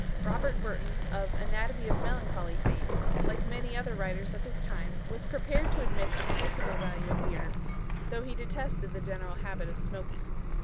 Robert Burton, of "Anatomy of Melancholy" fame, like many other writers of his time, was prepared to admit the medicinal value of the herb, though he detested the general habit of smoking.